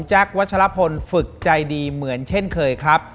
วัชลพลฝึกใจดีเหมือนเช่นเคยครับ